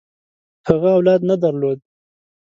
هغه اولاد نه درلود.